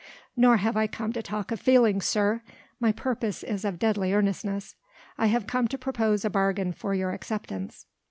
"Nor have I come to talk of feelings, sir. My purpose is of deadly earnestness. I have come to propose a bargain for your acceptance."